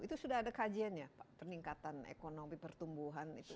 itu sudah ada kajiannya pak peningkatan ekonomi pertumbuhan itu